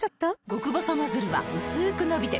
極細ノズルはうすく伸びて